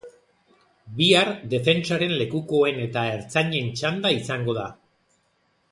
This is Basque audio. Bihar defentsaren lekukoen eta ertzainen txanda izango da.